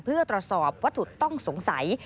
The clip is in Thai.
เพื่อตรวจสอบวัตถุต้องสงสัย